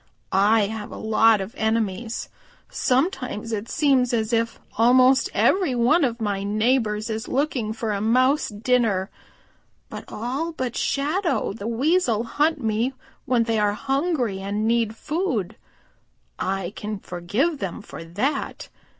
I have a lot of enemies. Sometimes it seems as if almost every one of my neighbors is looking for a Mouse dinner. But all but Shadow the Weasel hunt me when they are hungry and need food. I can forgive them for that.